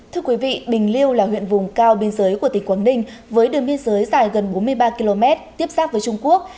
thưa quý vị bình liêu là huyện vùng cao biên giới của tỉnh quảng ninh với đường biên giới dài gần bốn mươi ba km tiếp xác với trung quốc